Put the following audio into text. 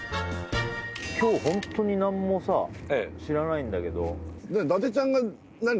今日ホントに何もさ知らないんだけど伊達ちゃんが何？